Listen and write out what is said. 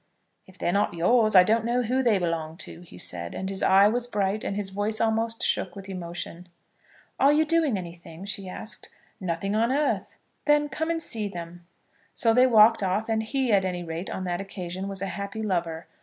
"If they're not yours, I don't know whom they belong to," he said. And his eye was bright, and his voice almost shook with emotion. "Are you doing anything?" she asked. "Nothing on earth." "Then come and see them." So they walked off, and he, at any rate, on that occasion was a happy lover.